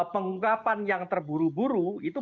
pengungkapan yang terburu buru itu